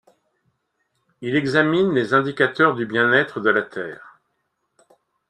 Il examine les indicateurs du bien-être de la Terre.